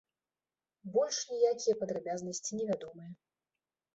Больш ніякія падрабязнасці невядомыя.